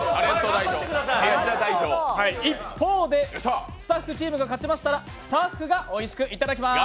一方で、スタッフチームが勝ちましたらスタッフがおいしく頂きます。